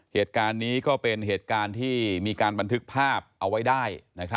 เหตุการณ์นี้ก็เป็นเหตุการณ์ที่มีการบันทึกภาพเอาไว้ได้